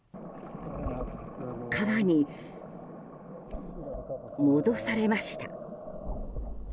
川に戻されました。